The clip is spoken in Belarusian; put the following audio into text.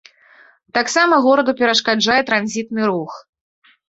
Таксама гораду перашкаджае транзітны рух.